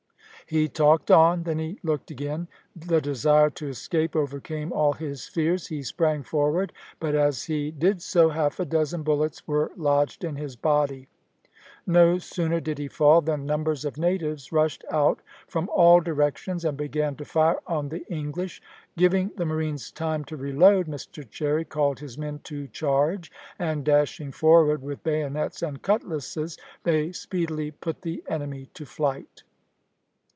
He talked on, then he looked again; the desire to escape overcame all his fears. He sprang forward, but, as he did so, half a dozen bullets were lodged in his body. No sooner did he fall, than numbers of natives rushed out from all directions, and began to fire on the English. Giving the marines time to reload, Mr Cherry called his men to charge, and dashing forward with bayonets and cutlasses, they speedily put the enemy to flight.